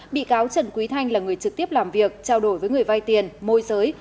bị cáo trần quý thanh là người trực tiếp làm việc trao đổi với người vay tiền môi giới